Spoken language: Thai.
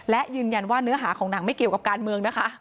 และยืนยันว่าเนื้อหาของหนังไม่เกี่ยวกับการเมืองนะคะ